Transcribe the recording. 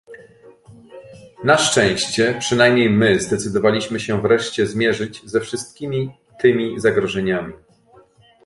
Na szczęście przynajmniej my zdecydowaliśmy się wreszcie zmierzyć ze wszystkimi tymi zagrożeniami